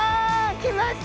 きました！